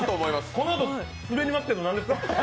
このあと滑りますけどなんですか？